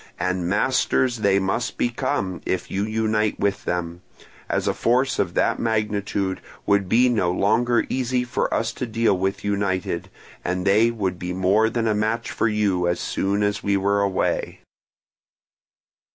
And masters they must become, if you unite with them; as a force of that magnitude would be no longer easy for us to deal with united, and they would be more than a match for you as soon as we were away.